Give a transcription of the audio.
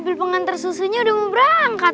mobil pengantar susunya udah mau berangkat